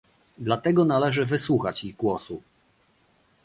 Dlatego należy wysłuchać ich głosu